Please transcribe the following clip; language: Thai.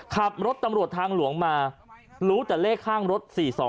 ขับรถตำรวจทางหลวงมารู้แต่เลขข้างรถ๔๒